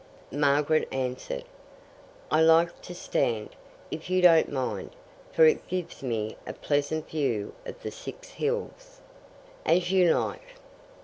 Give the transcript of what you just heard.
Margaret answered, "I like to stand, if you don't mind, for it gives me a pleasant view of the Six Hills." "As you like."